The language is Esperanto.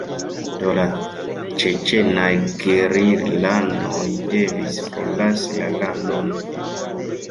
Do la ĉeĉenaj gerilanoj devis forlasi la landon.